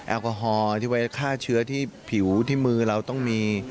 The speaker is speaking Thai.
แอลกอฮอล์ที่ไว้ฆ่าเชื้อที่ผิวที่มือเราต้องมี